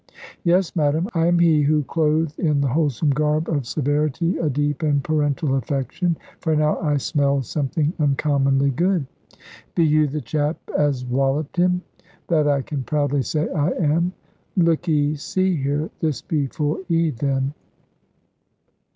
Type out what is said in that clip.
"Yes, madam, I am he who clothed in the wholesome garb of severity a deep and parental affection;" for now I smelled something uncommonly good. "Be you the chap as wolloped him?" "That I can proudly say I am." "Look 'e see, here, this be for 'e, then!"